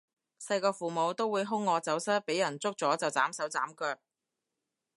細個父母都會兇我走失畀人捉咗就斬手斬腳